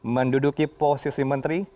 menduduki posisi menteri